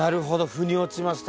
ふに落ちました。